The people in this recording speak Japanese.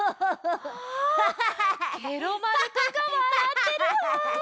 あケロ丸くんがわらってるわ。